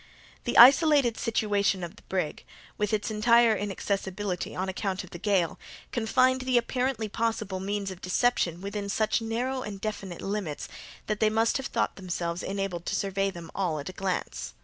The isolated situation of the brig, with its entire inaccessibility on account of the gale, confined the apparently possible means of deception within such narrow and definite limits, that they must have thought themselves enabled to survey them all at a glance.